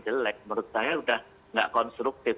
jelek menurut saya sudah tidak konstruktif